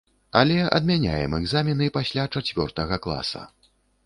Але адмяняем экзамены пасля чацвёртага класа.